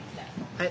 はい。